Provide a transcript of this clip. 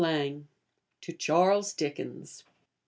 II. To Charles Dickens.